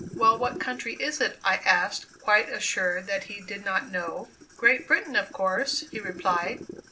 "Well, what country is it?" I asked, quite assured that he did not know. "Great Britain, of course," he replied.